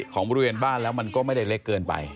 ของบริเวณบ้านแล้วมันก็ไม่ได้เล็กเกินไป